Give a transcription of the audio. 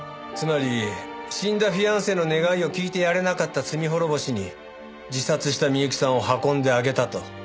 つまり死んだフィアンセの願いを聞いてやれなかった罪滅ぼしに自殺した美由紀さんを運んであげたと？